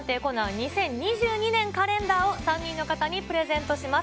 ２０２２年カレンダーを、３人の方にプレゼントします。